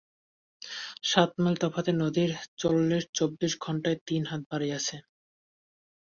সাত মাইল তফাতে নদীর জল চব্বিশ ঘণ্টায় তিন হাত বাড়িয়াছে।